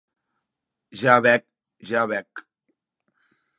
Ja vec, ja vec.